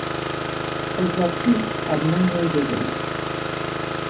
"Exotique" had no nudity.